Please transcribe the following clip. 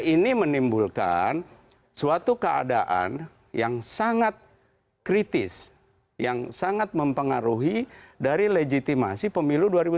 ini menimbulkan suatu keadaan yang sangat kritis yang sangat mempengaruhi dari legitimasi pemilu dua ribu sembilan belas